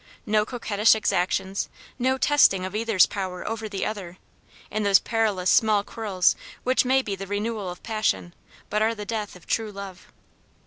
No coquettish exactions, no testing of either's power over the other, in those perilous small quarrels which may be the renewal of passion, but are the death of true love.